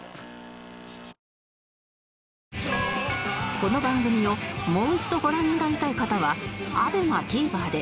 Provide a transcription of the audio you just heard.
この番組をもう一度ご覧になりたい方は ＡＢＥＭＡＴＶｅｒ で